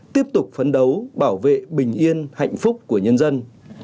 tiếp tục phấn đấu bảo vệ bình yên hạnh phúc của nhân dân